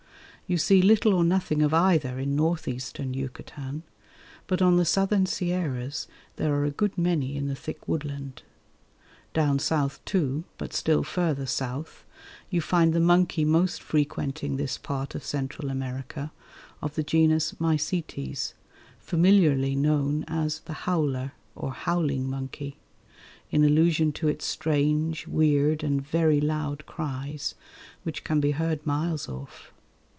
You see little or nothing of either in North Eastern Yucatan, but on the southern sierras there are a good many in the thick woodland. Down south, too, but still further south, you find the monkey most frequenting this part of Central America, of the genus Mycetes, familiarly known as "the howler" or "howling monkey," in allusion to its strange, weird, and very loud cries, which can be heard miles off.